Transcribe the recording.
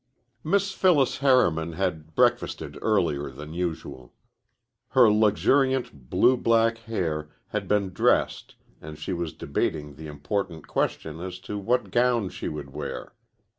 Miss Phyllis Harriman had breakfasted earlier than usual. Her luxuriant, blue black hair had been dressed and she was debating the important question as to what gown she would wear.